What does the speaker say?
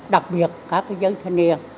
đặc biệt các thế giới thanh niên